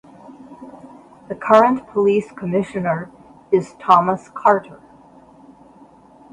The current Police Commissioner is Thomas Carter.